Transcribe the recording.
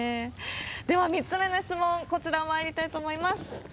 では、３つ目の質問、こちらまいりたいと思います。